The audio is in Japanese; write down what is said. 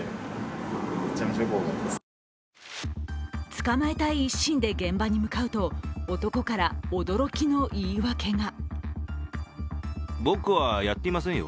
捕まえたい一心で現場に向かうと男から驚きの言い訳が。